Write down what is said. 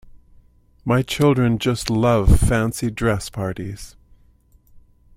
My children just love fancy dress parties